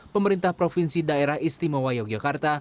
pemerintah provinsi daerah istimewa yogyakarta